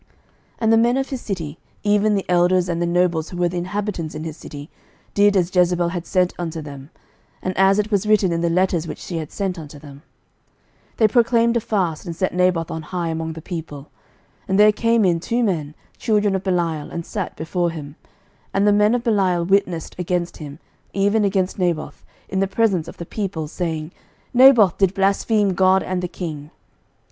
11:021:011 And the men of his city, even the elders and the nobles who were the inhabitants in his city, did as Jezebel had sent unto them, and as it was written in the letters which she had sent unto them. 11:021:012 They proclaimed a fast, and set Naboth on high among the people. 11:021:013 And there came in two men, children of Belial, and sat before him: and the men of Belial witnessed against him, even against Naboth, in the presence of the people, saying, Naboth did blaspheme God and the king.